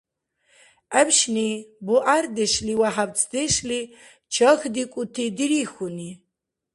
ГӀебшни, бугӀярдешли ва хӀябцдешли чахьдикӀути дирихьуни.